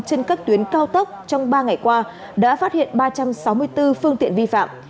trên các tuyến cao tốc trong ba ngày qua đã phát hiện ba trăm sáu mươi bốn phương tiện vi phạm